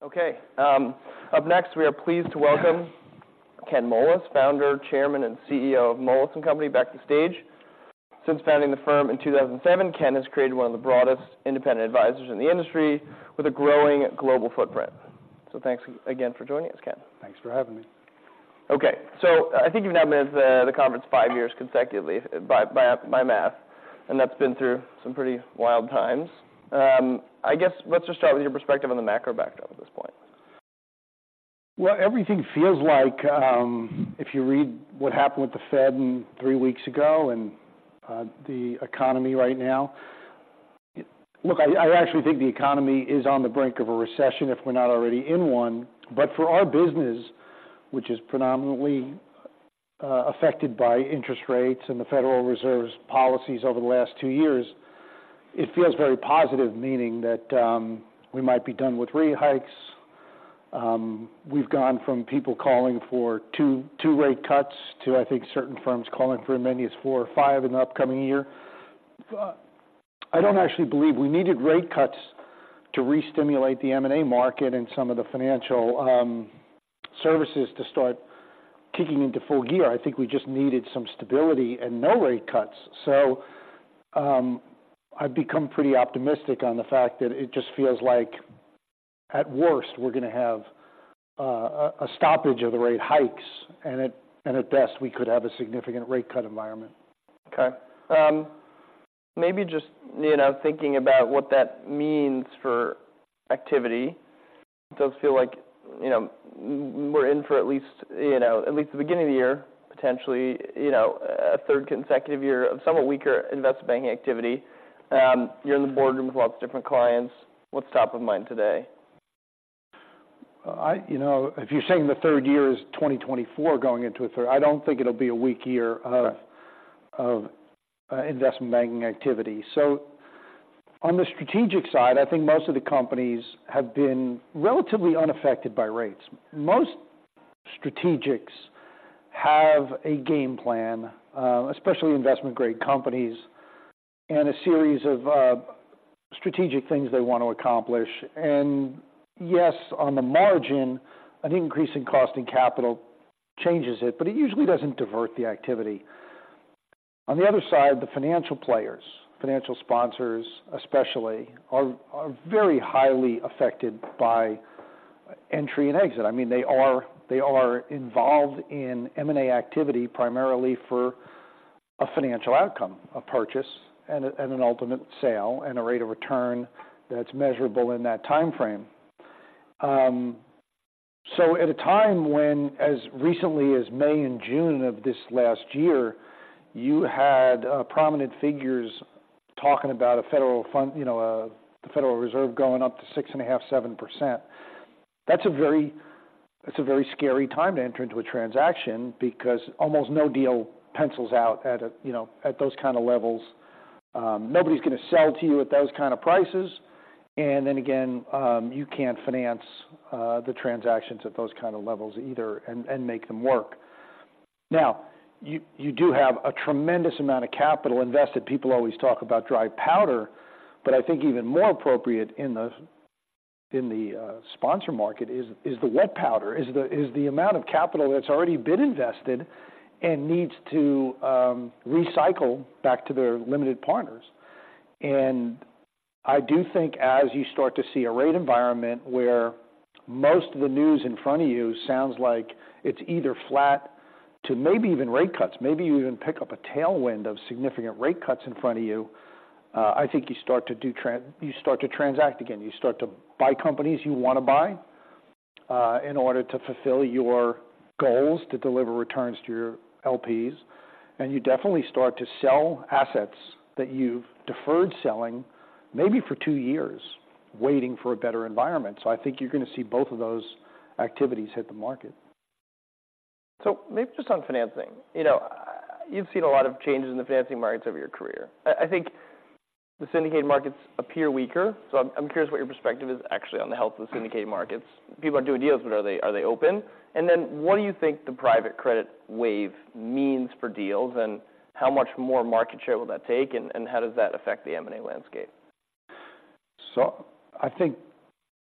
Okay, up next, we are pleased to welcome Ken Moelis, Founder, Chairman, and CEO of Moelis & Company, back to the stage. Since founding the firm in 2007, Ken has created one of the broadest independent advisors in the industry with a growing global footprint. Thanks again for joining us, Ken. Thanks for having me. Okay. So I think you've now been at the conference five years consecutively by math, and that's been through some pretty wild times. I guess let's just start with your perspective on the macro backdrop at this point. Well, everything feels like, if you read what happened with the Fed three weeks ago and, the economy right now... Look, I actually think the economy is on the brink of a recession, if we're not already in one. But for our business, which is predominantly affected by interest rates and the Federal Reserve's policies over the last two years, it feels very positive, meaning that, we might be done with rate hikes. We've gone from people calling for two rate cuts to, I think, certain firms calling for as many as four or five in the upcoming year. I don't actually believe we needed rate cuts to re-stimulate the M&A market and some of the financial services to start kicking into full gear. I think we just needed some stability and no rate cuts. So, I've become pretty optimistic on the fact that it just feels like, at worst, we're gonna have a stoppage of the rate hikes, and at best, we could have a significant rate cut environment. Okay. Maybe just, you know, thinking about what that means for activity, does it feel like, you know, we're in for at least, you know, at least the beginning of the year, potentially, you know, a third consecutive year of somewhat weaker investment banking activity? You're in the boardroom with lots of different clients. What's top of mind today? You know, if you're saying the third year is 2024 going into a third, I don't think it'll be a weak year of investment banking activity. So on the strategic side, I think most of the companies have been relatively unaffected by rates. Most strategics have a game plan, especially investment-grade companies, and a series of strategic things they want to accomplish. And yes, on the margin, an increase in cost and capital changes it, but it usually doesn't divert the activity. On the other side, the financial players, financial sponsors, especially, are very highly affected by entry and exit. I mean, they are involved in M&A activity primarily for a financial outcome, a purchase and an ultimate sale, and a rate of return that's measurable in that timeframe. So at a time when, as recently as May and June of this last year, you had prominent figures talking about a federal fund, you know, the Federal Reserve going up to 6.5%-7%. That's a very scary time to enter into a transaction because almost no deal pencils out at a, you know, at those kind of levels. Nobody's gonna sell to you at those kind of prices, and then again, you can't finance the transactions at those kind of levels either and, and make them work. Now, you, you do have a tremendous amount of capital invested. People always talk about dry powder, but I think even more appropriate in the sponsor market is the wet powder, the amount of capital that's already been invested and needs to recycle back to their limited partners. And I do think as you start to see a rate environment where most of the news in front of you sounds like it's either flat to maybe even rate cuts, maybe you even pick up a tailwind of significant rate cuts in front of you, I think you start to transact again. You start to buy companies you want to buy, in order to fulfill your goals to deliver returns to your LPs, and you definitely start to sell assets that you've deferred selling, maybe for two years, waiting for a better environment. I think you're gonna see both of those activities hit the market. So maybe just on financing. You know, you've seen a lot of changes in the financing markets over your career. I think the syndicate markets appear weaker, so I'm curious what your perspective is actually on the health of the syndicate markets. People are doing deals, but are they open? And then, what do you think the private credit wave means for deals, and how much more market share will that take, and how does that affect the M&A landscape? So I think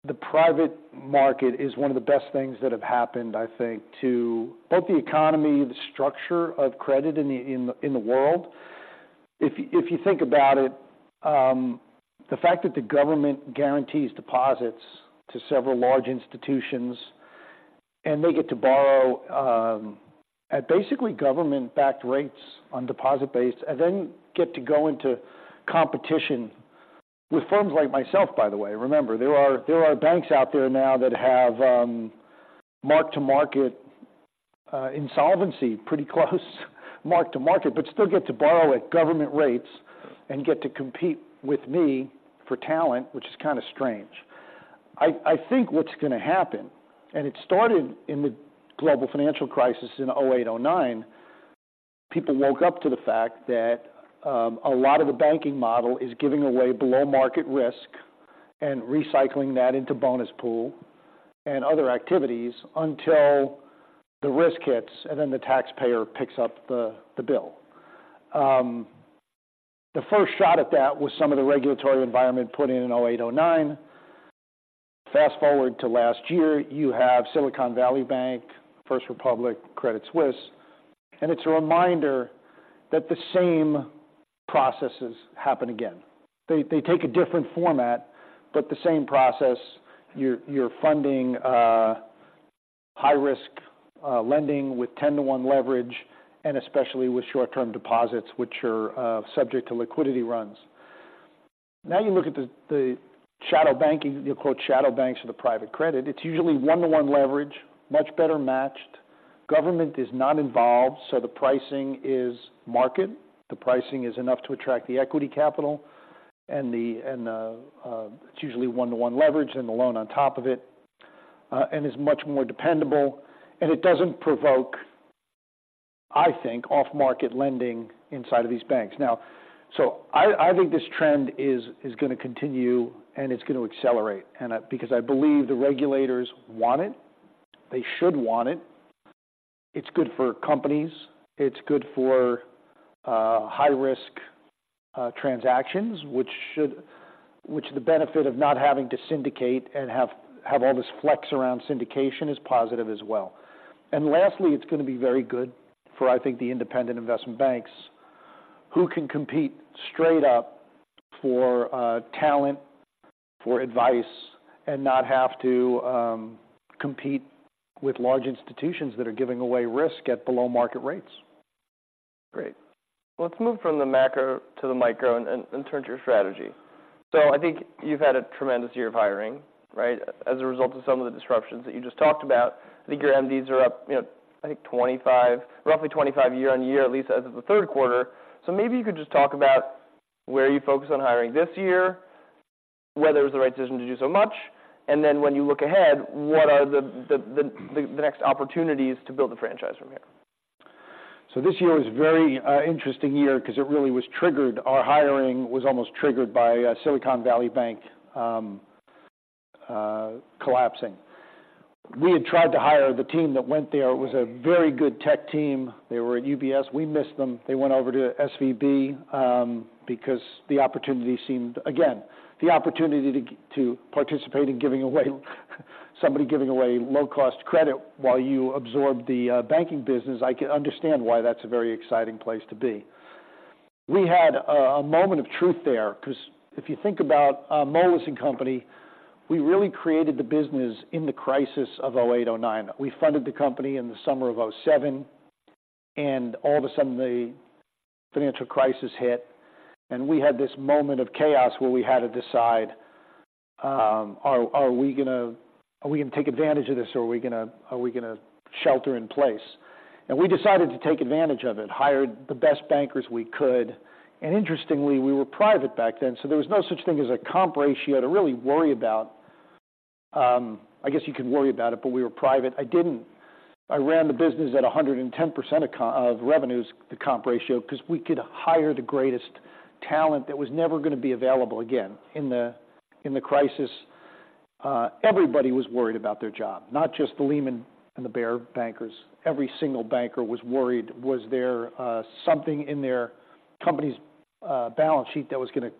the private market is one of the best things that have happened, I think, to both the economy, the structure of credit in the world. If you think about it, the fact that the government guarantees deposits to several large institutions, and they get to borrow at basically government-backed rates on deposit base, and then get to go into competition with firms like myself, by the way. Remember, there are banks out there now that have mark-to-market insolvency, pretty close mark to market, but still get to borrow at government rates and get to compete with me for talent, which is kinda strange. I think what's gonna happen, and it started in the global financial crisis in 2008, 2009, people woke up to the fact that a lot of the banking model is giving away below-market risk and recycling that into bonus pool and other activities until the risk hits, and then the taxpayer picks up the bill. The first shot at that was some of the regulatory environment put in in 2008, 2009. Fast forward to last year, you have Silicon Valley Bank, First Republic Bank, Credit Suisse, and it's a reminder that the same processes happen again. They take a different format, but the same process. You're funding high risk lending with 10-to-1 leverage, and especially with short-term deposits, which are subject to liquidity runs. Now, you look at the shadow banking—you quote, "shadow banks" for the private credit. It's usually 1:1 leverage, much better matched. Government is not involved, so the pricing is market. The pricing is enough to attract the equity capital and the and, it's usually 1:1 leverage and the loan on top of it, and is much more dependable, and it doesn't provoke, I think, off-market lending inside of these banks. Now, so I think this trend is going to continue, and it's going to accelerate, and I because I believe the regulators want it. They should want it. It's good for companies. It's good for high-risk transactions, which the benefit of not having to syndicate and have all this flex around syndication is positive as well. And lastly, it's going to be very good for, I think, the independent investment banks who can compete straight up for talent, for advice, and not have to compete with large institutions that are giving away risk at below-market rates. Great. Let's move from the macro to the micro and turn to your strategy. So I think you've had a tremendous year of hiring, right? As a result of some of the disruptions that you just talked about. I think your MDs are up, you know, I think 25—roughly 25 year-on-year, at least as of the third quarter. So maybe you could just talk about where you focus on hiring this year, whether it was the right decision to do so much, and then when you look ahead, what are the next opportunities to build the franchise from here? This year was a very, interesting year because it really was triggered... Our hiring was almost triggered by, Silicon Valley Bank, collapsing. We had tried to hire the team that went there. It was a very good tech team. They were at UBS. We missed them. They went over to SVB, because the opportunity seemed, again, the opportunity to participate in giving away, somebody giving away low-cost credit while you absorb the banking business, I can understand why that's a very exciting place to be. We had a moment of truth there, 'cause if you think about, Moelis & Company, we really created the business in the crisis of 2008, 2009. We funded the company in the summer of 2007, and all of a sudden, the financial crisis hit, and we had this moment of chaos where we had to decide are we gonna take advantage of this, or are we gonna shelter in place? And we decided to take advantage of it, hired the best bankers we could, and interestingly, we were private back then, so there was no such thing as a comp ratio to really worry about. I guess you could worry about it, but we were private. I ran the business at 110% of revenues, the comp ratio, 'cause we could hire the greatest talent that was never gonna be available again. In the crisis, everybody was worried about their job, not just the Lehman and the Bear bankers. Every single banker was worried. Was there something in their company's balance sheet that was gonna...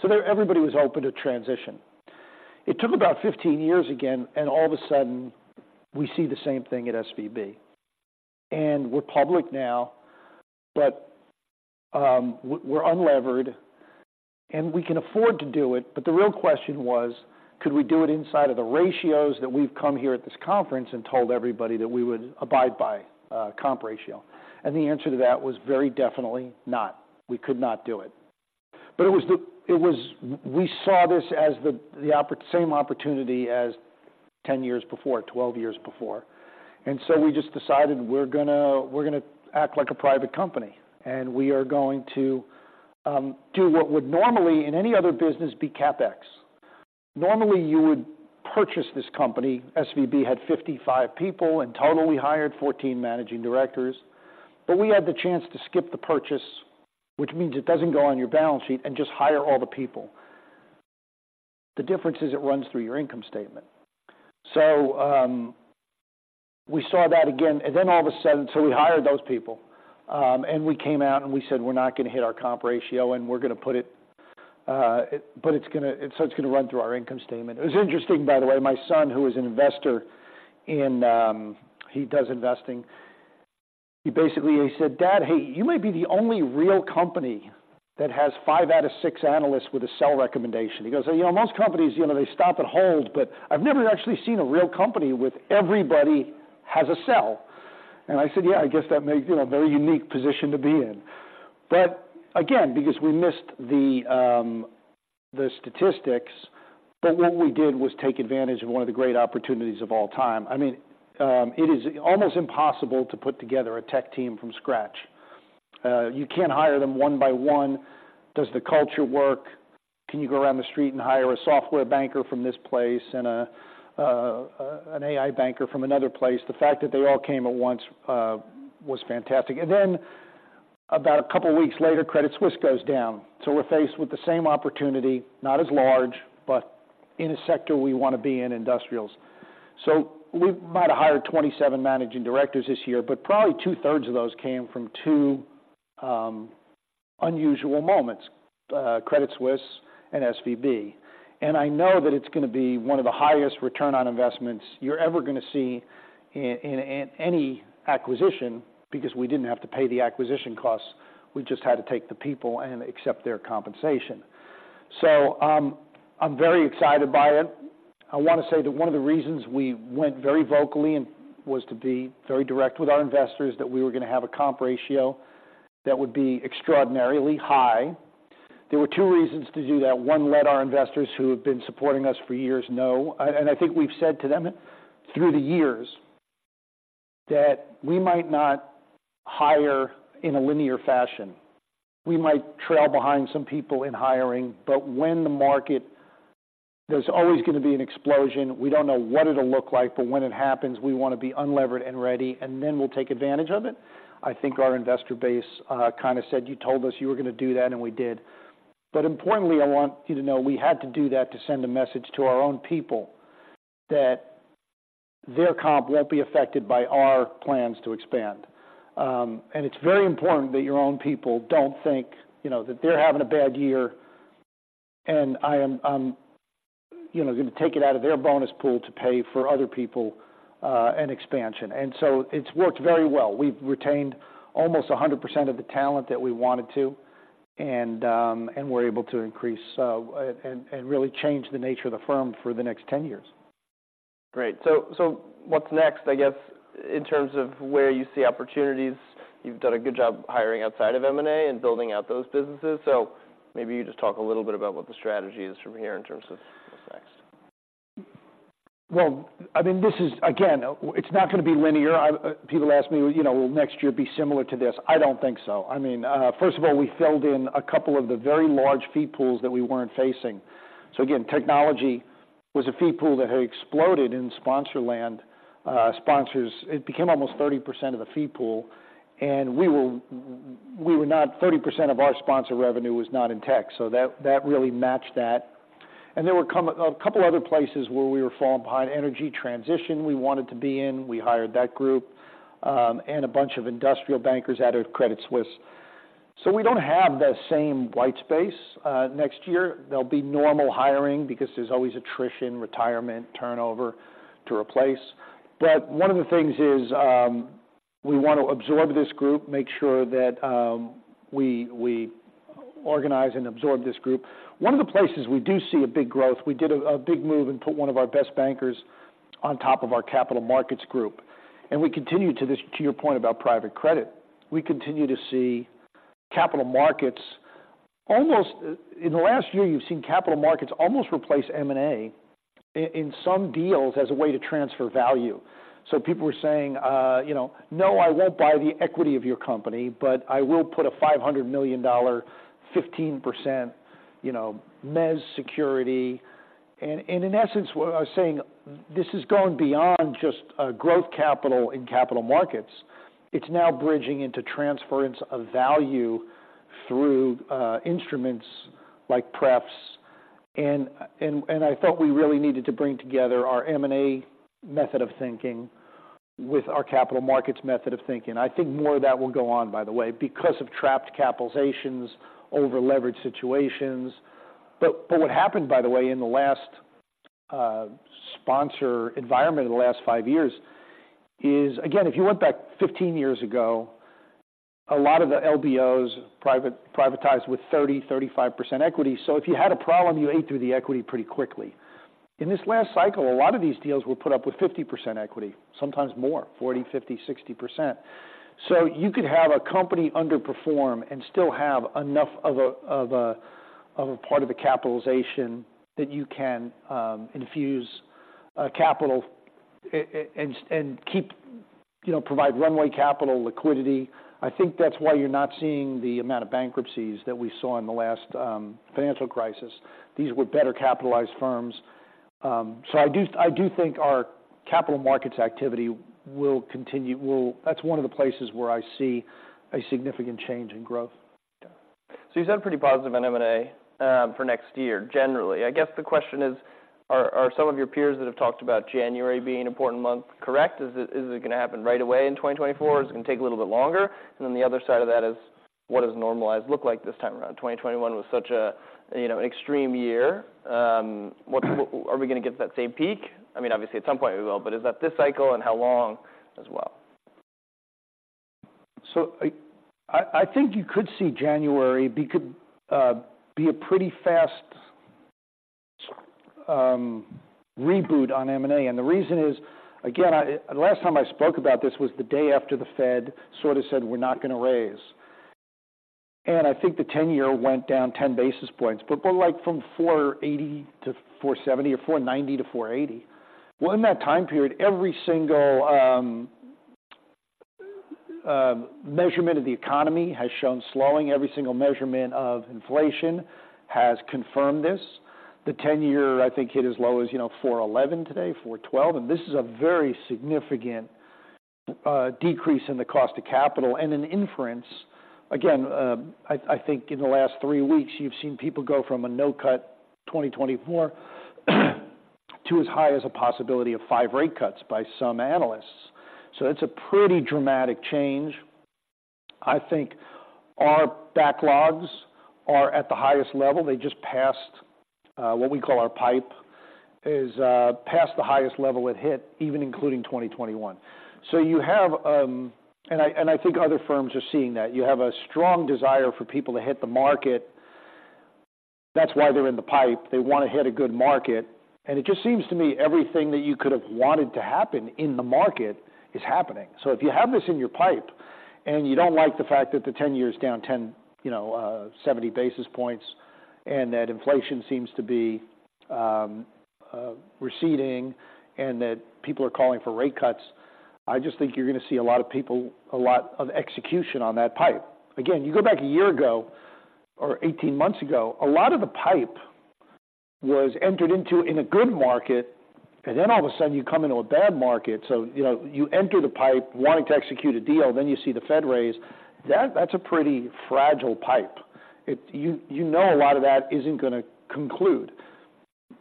So everybody was open to transition. It took about 15 years again, and all of a sudden, we see the same thing at SVB. And we're public now, but we're unlevered, and we can afford to do it. But the real question was: Could we do it inside of the ratios that we've come here at this conference and told everybody that we would abide by, comp ratio? And the answer to that was very definitely not. We could not do it. But it was the same opportunity as 10 years before, 12 years before. And so we just decided we're gonna, we're gonna act like a private company, and we are going to do what would normally, in any other business, be CapEx. Normally, you would purchase this company. SVB had 55 people, and total, we hired 14 managing directors, but we had the chance to skip the purchase, which means it doesn't go on your balance sheet, and just hire all the people. The difference is it runs through your income statement. So we saw that again, and then all of a sudden... So we hired those people, and we came out, and we said: We're not going to hit our comp ratio, and we're going to put it, but it's gonna run through our income statement. It was interesting, by the way, my son, who is an investor, in... He does investing. He basically, he said: "Dad, hey, you may be the only real company that has five out of six analysts with a sell recommendation." He goes, "You know, most companies, you know, they stop at hold, but I've never actually seen a real company with everybody has a sell." And I said, "Yeah, I guess that makes, you know, a very unique position to be in." But again, because we missed the, the statistics, but what we did was take advantage of one of the great opportunities of all time. I mean, it is almost impossible to put together a tech team from scratch. You can't hire them one by one. Does the culture work? Can you go around the street and hire a software banker from this place and a, an AI banker from another place? The fact that they all came at once was fantastic. And then about a couple of weeks later, Credit Suisse goes down. So we're faced with the same opportunity, not as large, but in a sector we want to be in industrials.... So we might have hired 27 managing directors this year, but probably 2/3 of those came from two unusual moments, Credit Suisse and SVB. And I know that it's going to be one of the highest return on investments you're ever going to see in any acquisition, because we didn't have to pay the acquisition costs. We just had to take the people and accept their compensation. So, I'm very excited by it. I want to say that one of the reasons we went very vocally and was to be very direct with our investors, that we were going to have a Compa Ratio that would be extraordinarily high. There were two reasons to do that. One, let our investors who have been supporting us for years know, and, and I think we've said to them through the years that we might not hire in a linear fashion. We might trail behind some people in hiring, but when the market, there's always going to be an explosion. We don't know what it'll look like, but when it happens, we want to be unlevered and ready, and then we'll take advantage of it. I think our investor base kind of said, "You told us you were going to do that," and we did. But importantly, I want you to know we had to do that to send a message to our own people that their comp won't be affected by our plans to expand. It's very important that your own people don't think, you know, that they're having a bad year, and I am, you know, going to take it out of their bonus pool to pay for other people and expansion. So it's worked very well. We've retained almost 100% of the talent that we wanted to, and we're able to increase and really change the nature of the firm for the next 10 years. Great. So, so what's next, I guess, in terms of where you see opportunities? You've done a good job hiring outside of M&A and building out those businesses. So maybe you just talk a little bit about what the strategy is from here in terms of what's next. Well, I mean, this is again, it's not going to be linear. People ask me, "Well, you know, will next year be similar to this?" I don't think so. I mean, first of all, we filled in a couple of the very large fee pools that we weren't facing. So again, technology was a fee pool that had exploded in sponsor land, sponsors. It became almost 30% of the fee pool, and 30% of our sponsor revenue was not in tech, so that really matched that. And there were a couple other places where we were falling behind. Energy transition, we wanted to be in. We hired that group, and a bunch of industrial bankers out of Credit Suisse. So we don't have the same white space next year. There'll be normal hiring because there's always attrition, retirement, turnover to replace. But one of the things is, we want to absorb this group, make sure that we organize and absorb this group. One of the places we do see a big growth, we did a big move and put one of our best bankers on top of our capital markets group. And we continue to your point about private credit, we continue to see capital markets almost... In the last year, you've seen capital markets almost replace M&A in some deals as a way to transfer value. So people are saying, "You know, no, I won't buy the equity of your company, but I will put a $500 million, 15%, you know, mezz security." And in essence, what I was saying, this is going beyond just growth capital in capital markets. It's now bridging into transference of value through instruments like prefs. And I thought we really needed to bring together our M&A method of thinking with our capital markets method of thinking. I think more of that will go on, by the way, because of trapped capitalizations, overleveraged situations. But what happened, by the way, in the last sponsor environment in the last five years is... Again, if you went back 15 years ago, a lot of the LBOs, private, privatized with 30%-35% equity. So if you had a problem, you ate through the equity pretty quickly. In this last cycle, a lot of these deals were put up with 50% equity, sometimes more, 40, 50, 60%. So you could have a company underperform and still have enough of a part of the capitalization that you can infuse capital and keep you know provide runway capital liquidity. I think that's why you're not seeing the amount of bankruptcies that we saw in the last financial crisis. These were better capitalized firms. So I do, I do think our capital markets activity will continue, that's one of the places where I see a significant change in growth. So you sound pretty positive on M&A for next year, generally. I guess the question is, are some of your peers that have talked about January being an important month, correct? Is it going to happen right away in 2024, or is it going to take a little bit longer? And then the other side of that is: What does normalized look like this time around? 2021 was such a, you know, an extreme year. What are we going to get that same peak? I mean, obviously at some point we will, but is that this cycle, and how long as well? So I think you could see January could be a pretty fast reboot on M&A. And the reason is, again, the last time I spoke about this was the day after the Fed sort of said we're not going to raise. And I think the 10-year went down 10 basis points, but like from 480 to 470 or 490 to 480. Well, in that time period, every single measurement of the economy has shown slowing. Every single measurement of inflation has confirmed this. The 10-year, I think, hit as low as, you know, 411 today, 412, and this is a very significant decrease in the cost of capital and an inference. Again, I think in the last three weeks you've seen people go from a no-cut 2024, to as high as a possibility of five rate cuts by some analysts. So it's a pretty dramatic change. I think our backlogs are at the highest level. They just passed what we call our pipe past the highest level it hit, even including 2021. So you have, and I think other firms are seeing that. You have a strong desire for people to hit the market. That's why they're in the pipe. They wanna hit a good market. And it just seems to me everything that you could have wanted to happen in the market is happening. So if you have this in your pipe and you don't like the fact that the 10-year is down 10, you know, 70 basis points, and that inflation seems to be receding and that people are calling for rate cuts, I just think you're gonna see a lot of people, a lot of execution on that pipe. Again, you go back a year ago or 18 months ago, a lot of the pipe was entered into in a good market, and then all of a sudden you come into a bad market. So, you know, you enter the pipe wanting to execute a deal, then you see the Fed raise. That, that's a pretty fragile pipe. It. You know, a lot of that isn't gonna conclude.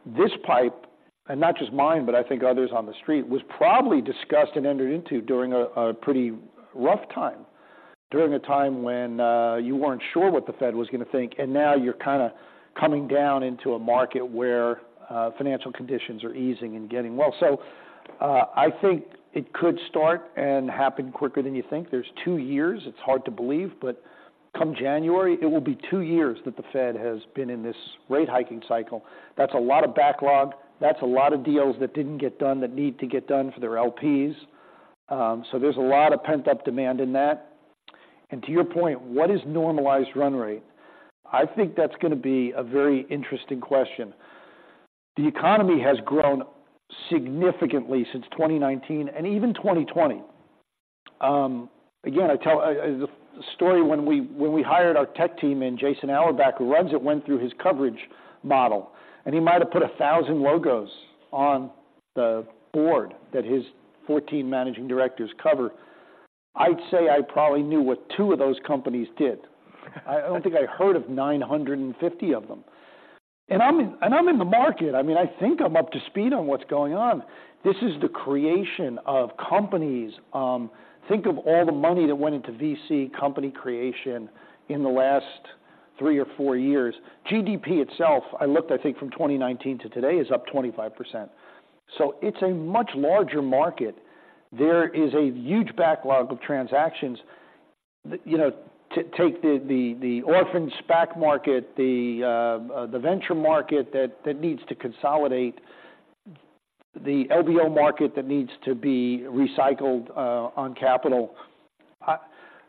This pipe, and not just mine, but I think others on the street, was probably discussed and entered into during a pretty rough time, during a time when you weren't sure what the Fed was gonna think, and now you're kinda coming down into a market where financial conditions are easing and getting well. So I think it could start and happen quicker than you think. There's two years, it's hard to believe, but come January, it will be two years that the Fed has been in this rate hiking cycle. That's a lot of backlog. That's a lot of deals that didn't get done, that need to get done for their LPs. So there's a lot of pent-up demand in that. And to your point, what is normalized run rate? I think that's gonna be a very interesting question. The economy has grown significantly since 2019 and even 2020. Again, I tell the story when we, when we hired our tech team and Jason Auerbach, who runs it, went through his coverage model, and he might have put 1,000 logos on the board that his 14 managing directors cover. I'd say I probably knew what two of those companies did. I don't think I heard of 950 of them. And I'm and I'm in the market. I mean, I think I'm up to speed on what's going on. This is the creation of companies. Think of all the money that went into VC company creation in the last three or four years. GDP itself, I looked, I think from 2019 to today, is up 25%. So it's a much larger market. There is a huge backlog of transactions that, you know, take the, the orphan SPAC market, the venture market that needs to consolidate, the LBO market that needs to be recycled on capital.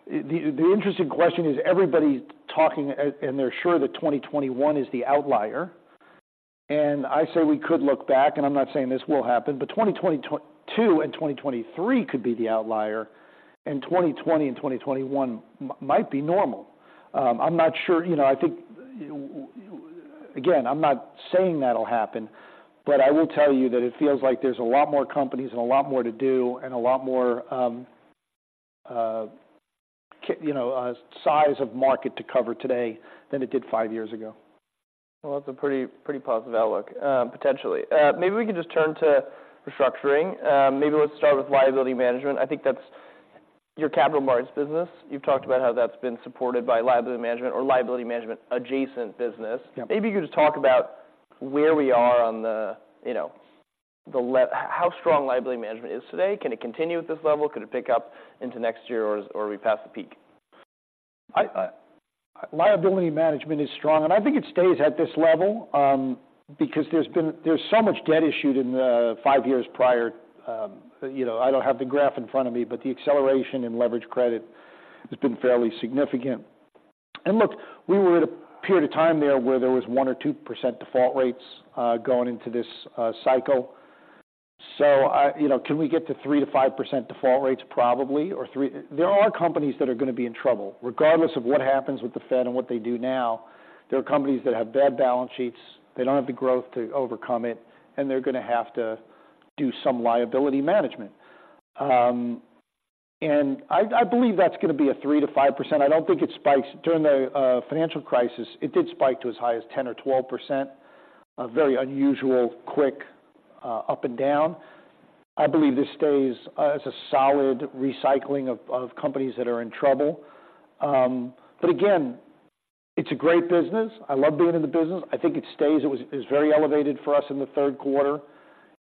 The interesting question is, everybody's talking, and they're sure that 2021 is the outlier, and I say we could look back, and I'm not saying this will happen, but 2022 and 2023 could be the outlier, and 2020 and 2021 might be normal. I'm not sure... You know, I think, again, I'm not saying that'll happen, but I will tell you that it feels like there's a lot more companies and a lot more to do, and a lot more, you know, size of market to cover today than it did five years ago. Well, that's a pretty, pretty positive outlook, potentially. Maybe we could just turn to restructuring. Maybe let's start with liability management. I think that's your capital markets business. You've talked about how that's been supported by liability management or liability management adjacent business. Yeah. Maybe you could just talk about where we are on the you know, the liability, how strong liability management is today. Can it continue at this level? Could it pick up into next year or, or are we past the peak? Liability management is strong, and I think it stays at this level, because there's so much debt issued in the five years prior. You know, I don't have the graph in front of me, but the acceleration in leverage credit has been fairly significant. And look, we were at a period of time there where there was 1% or 2% default rates going into this cycle. So, you know, can we get to 3%-5% default rates? Probably. Or three... There are companies that are gonna be in trouble. Regardless of what happens with the Fed and what they do now, there are companies that have bad balance sheets, they don't have the growth to overcome it, and they're gonna have to do some liability management. And I believe that's gonna be 3%-5%. I don't think it spikes. During the financial crisis, it did spike to as high as 10% or 12%. A very unusual, quick up and down. I believe this stays as a solid recycling of companies that are in trouble. But again, it's a great business. I love being in the business. I think it stays. It was very elevated for us in the third quarter.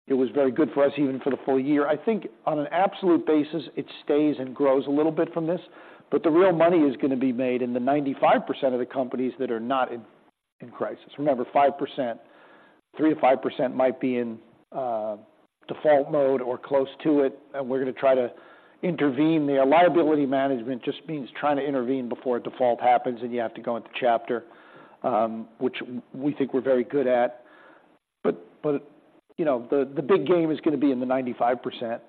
It was very good for us even for the full year. I think on an absolute basis, it stays and grows a little bit from this, but the real money is gonna be made in the 95% of the companies that are not in crisis. Remember, 5%, 3%-5% might be in default mode or close to it, and we're gonna try to intervene there. Liability management just means trying to intervene before a default happens, and you have to go into chapter, which we think we're very good at. But you know, the big game is gonna be in the 95%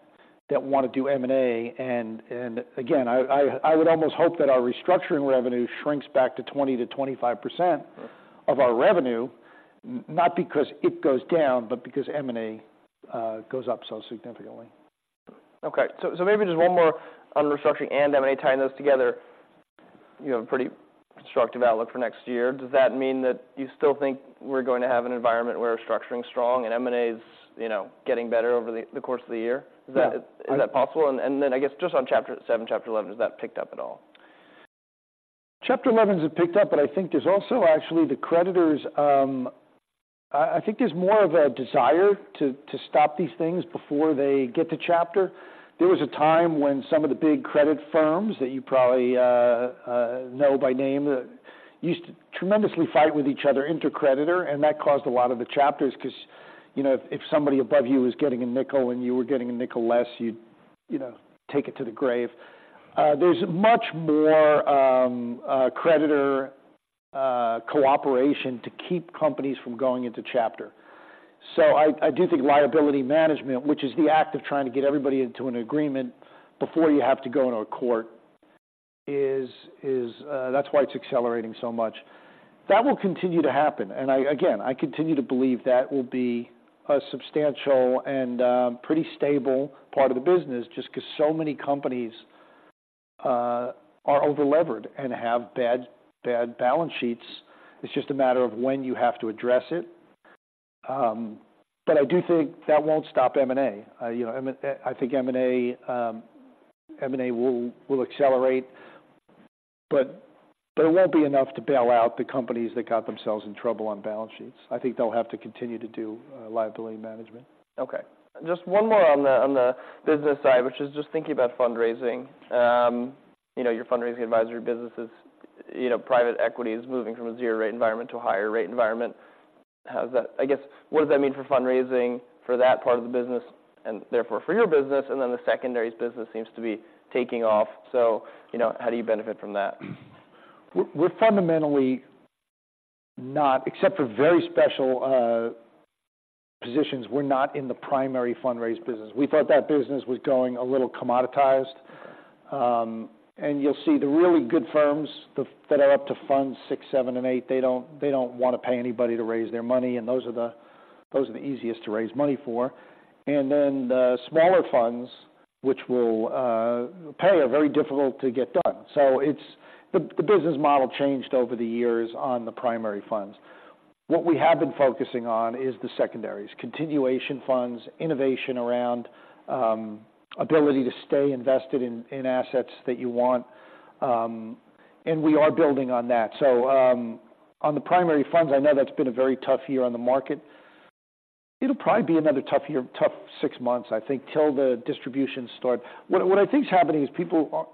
that want to do M&A, and again, I would almost hope that our restructuring revenue shrinks back to 20%-25%- Right... of our revenue.... not because it goes down, but because M&A goes up so significantly. Okay. So, maybe just one more on restructuring and M&A, tying those together. You have a pretty constructive outlook for next year. Does that mean that you still think we're going to have an environment where restructuring is strong and M&A is, you know, getting better over the course of the year? Yeah. Is that possible? And then I guess, just on Chapter seven, Chapter 11, has that picked up at all? Chapter 11s have picked up, but I think there's also actually the creditors. I think there's more of a desire to stop these things before they get to Chapter 11. There was a time when some of the big credit firms that you probably know by name used to tremendously fight with each other, inter-creditor, and that caused a lot of the Chapters 11 'cause, you know, if somebody above you was getting a nickel and you were getting a nickel less, you'd, you know, take it to the grave. There's much more creditor cooperation to keep companies from going into Chapter 11. So I do think liability management, which is the act of trying to get everybody into an agreement before you have to go into a court, is that's why it's accelerating so much. That will continue to happen, and again, I continue to believe that will be a substantial and pretty stable part of the business, just 'cause so many companies are overlevered and have bad, bad balance sheets. It's just a matter of when you have to address it. But I do think that won't stop M&A. You know, I think M&A will accelerate, but there won't be enough to bail out the companies that got themselves in trouble on balance sheets. I think they'll have to continue to do liability management. Okay. Just one more on the business side, which is just thinking about fundraising. You know, your fundraising advisory business is, you know, private equity is moving from a zero-rate environment to a higher rate environment. How does that... I guess, what does that mean for fundraising, for that part of the business and therefore for your business? And then the secondaries business seems to be taking off. So, you know, how do you benefit from that? We're fundamentally not, except for very special positions, we're not in the primary fundraise business. We thought that business was going a little commoditized. And you'll see the really good firms that are up to fund six, seven, and eight, they don't wanna pay anybody to raise their money, and those are the easiest to raise money for. And then the smaller funds, which will pay, are very difficult to get done. So it's the business model changed over the years on the primary funds. What we have been focusing on is the secondaries, continuation funds, innovation around ability to stay invested in assets that you want, and we are build ing on that. So on the primary funds, I know that's been a very tough year on the market. It'll probably be another tough year, tough six months, I think, till the distributions start. What I think is happening is people are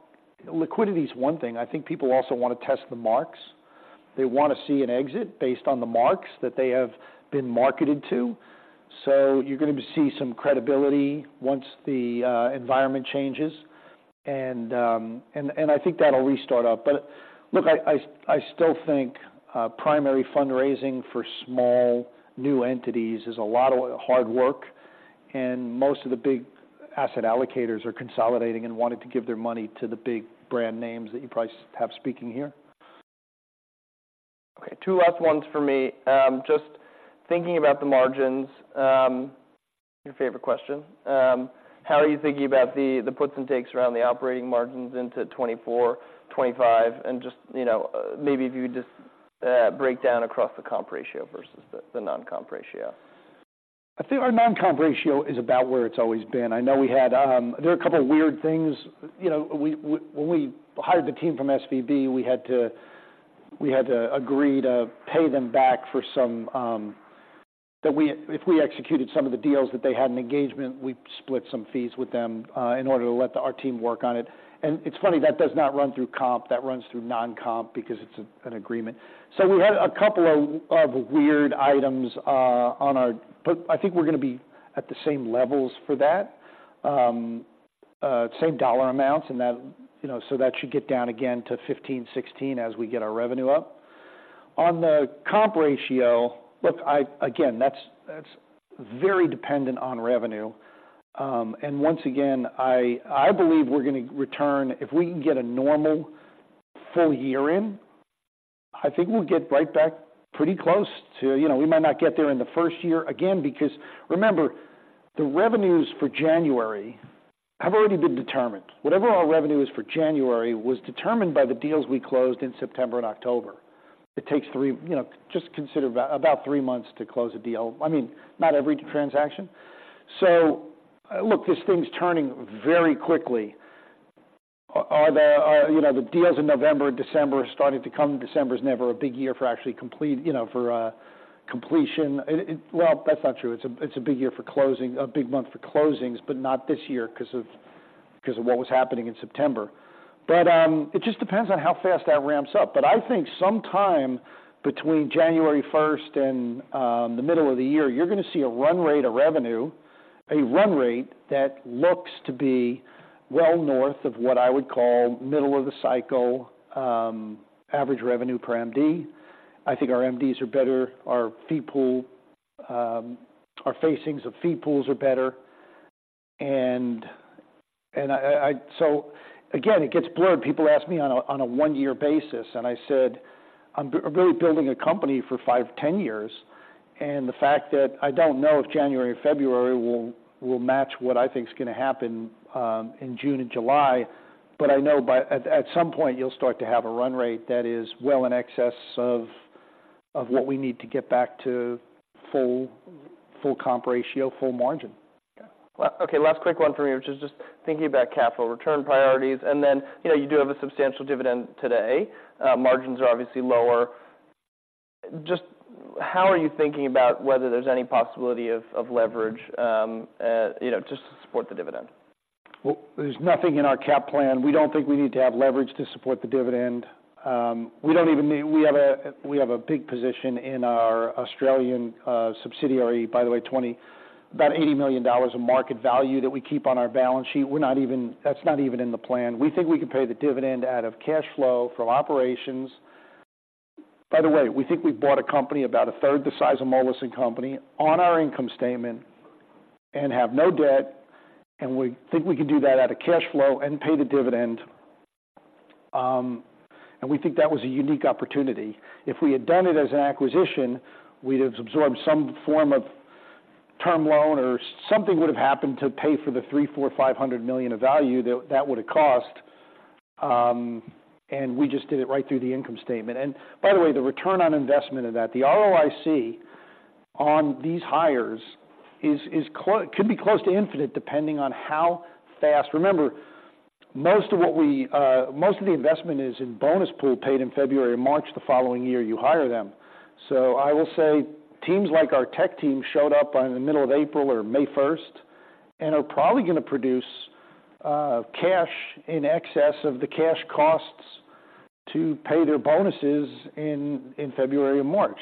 liquidity is one thing. I think people also want to test the marks. They want to see an exit based on the marks that they have been marketed to. So you're going to see some credibility once the environment changes, and I think that'll restart up. But look, I still think primary fundraising for small, new entities is a lot of hard work, and most of the big asset allocators are consolidating and wanting to give their money to the big brand names that you probably have speaking here. Okay, two last ones for me. Just thinking about the margins, your favorite question, how are you thinking about the, the puts and takes around the operating margins into 2024, 2025? And just, you know, maybe if you would just break down across the comp ratio versus the, the non-comp ratio. I think our non-comp ratio is about where it's always been. I know we had. There are a couple of weird things. You know, we, we—when we hired the team from SVB, we had to agree to pay them back for some that we, if we executed some of the deals that they had an engagement, we'd split some fees with them in order to let our team work on it. And it's funny, that does not run through comp, that runs through non-comp because it's an agreement. So we had a couple of weird items on our—but I think we're gonna be at the same levels for that, same dollar amounts, and that, you know, so that should get down again to 15, 16, as we get our revenue up. On the Compa Ratio, look, I, again, that's very dependent on revenue. And once again, I believe we're gonna return. If we can get a normal full year in, I think we'll get right back pretty close to... You know, we might not get there in the first year, again, because remember, the revenues for January have already been determined. Whatever our revenue is for January was determined by the deals we closed in September and October. It takes three, you know, just consider about three months to close a deal. I mean, not every transaction. So, look, this thing's turning very quickly. Are, you know, the deals in November and December are starting to come. December is never a big year for actually complete, you know, for completion. Well, that's not true. It's a big year for closing, a big month for closings, but not this year 'cause of what was happening in September. But it just depends on how fast that ramps up. But I think sometime between January first and the middle of the year, you're gonna see a run rate of revenue, a run rate that looks to be well north of what I would call middle of the cycle average revenue per MD. I think our MDs are better, our fee pool, our facings of fee pools are better. And so again, it gets blurred. People ask me on a one-year basis, and I said, "I'm really building a company for five, 10 years." And the fact that I don't know if January or February will match what I think is gonna happen in June and July. But I know by at some point, you'll start to have a run rate that is well in excess of what we need to get back to full comp ratio, full margin. Okay, last quick one from me, which is just thinking about capital return priorities, and then, you know, you do have a substantial dividend today. Margins are obviously lower. Just how are you thinking about whether there's any possibility of leverage, you know, just to support the dividend? Well, there's nothing in our cap plan. We don't think we need to have leverage to support the dividend. We don't even need. We have a big position in our Australian subsidiary, by the way, about $80 million of market value that we keep on our balance sheet. We're not even. That's not even in the plan. We think we can pay the dividend out of cash flow from operations. By the way, we think we bought a company about a third the size of Moelis & Company on our income statement and have no debt, and we think we can do that out of cash flow and pay the dividend. And we think that was a unique opportunity. If we had done it as an acquisition, we'd have absorbed some form of term loan or something would have happened to pay for the $300 million-$500 million of value that that would have cost. And we just did it right through the income statement. By the way, the return on investment of that, the ROIC on these hires is could be close to infinite, depending on how fast... Remember, most of what we most of the investment is in bonus pool, paid in February, March, the following year, you hire them. I will say teams like our tech team showed up by the middle of April or May first, and are probably gonna produce cash in excess of the cash costs to pay their bonuses in February and March.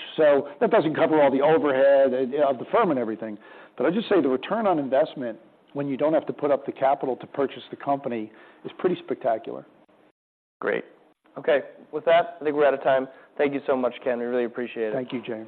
That doesn't cover all the overhead of the firm and everything. I just say the return on investment, when you don't have to put up the capital to purchase the company, is pretty spectacular. Great. Okay, with that, I think we're out of time. Thank you so much, Ken. We really appreciate it. Thank you, James.